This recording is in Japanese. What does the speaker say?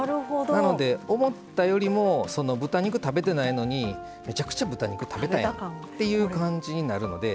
なので思ったよりも豚肉食べてないのにめちゃくちゃ豚肉食べたやんっていう感じになるので。